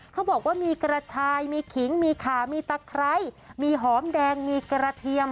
เขาบอกว่ามีกระชายมีขิงมีขามีตะไคร้มีหอมแดงมีกระเทียม